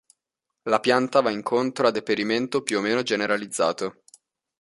La pianta va incontro a deperimento più o meno generalizzato.